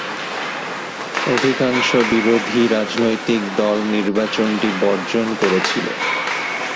অধিকাংশ বিরোধী রাজনৈতিক দল নির্বাচনটি বর্জন করেছিল।